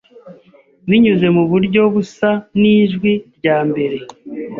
binyuze muburyo busa nijwi ryambere